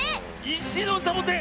いしのサボテン！